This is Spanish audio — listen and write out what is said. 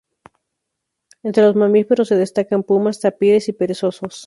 Entre los mamíferos se destacan pumas, tapires y perezosos.